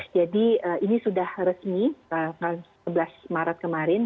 jadi ini sudah resmi sebelas maret kemarin